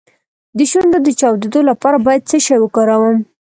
د شونډو د چاودیدو لپاره باید څه شی وکاروم؟